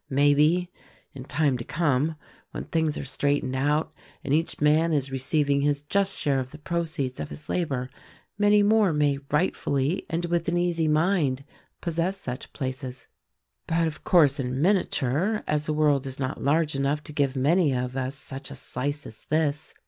Maybe, in time to come, when things are straightened out and each man is receiving his just share of the proceeds of his labor, many more may rightfully, and with an easy mind, possess such places, but, of course, in miniature, as the world is not large enough to give many of us such a slice as this.